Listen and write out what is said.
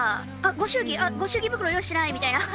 ご祝儀ご祝儀袋用意してないみたいな。